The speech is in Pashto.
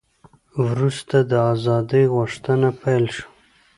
وروسته د ازادۍ غوښتنه پیل شوه.